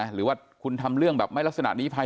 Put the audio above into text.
หรือว่าคุณทำเรื่องแบบไม่ลักษณะนี้ภัย